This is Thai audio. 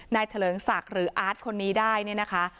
เถลิงศักดิ์หรืออาร์ตคนนี้ได้เนี่ยนะคะ